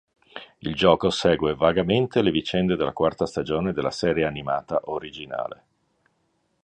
Il gioco segue vagamente le vicende della quarta stagione della serie animata originale.